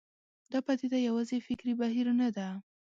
دا پدیده یوازې فکري بهیر نه ده.